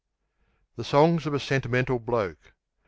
The Songs of a Sentimental Bloke C.